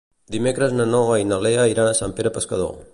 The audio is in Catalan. Dimecres na Noa i na Lea iran a Sant Pere Pescador.